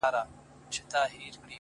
بلا خبرې چي په زړه کي لکه ته پاتې دي”